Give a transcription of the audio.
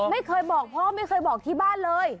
ไม่เคยบอกพ่อไม่เคยบอกที่บ้านเลย